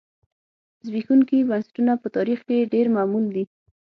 زبېښونکي بنسټونه په تاریخ کې ډېر معمول دي.